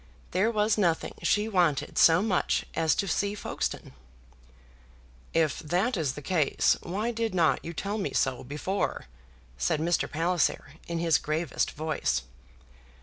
There was nothing she wanted so much as to see Folkestone. "If that is the case, why did not you tell me so before?" said Mr. Palliser, in his gravest voice.